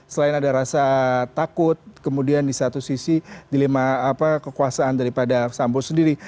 selain ada rasa takut kemudian di satu sisi dilema kekuasaan daripada sambo sendiri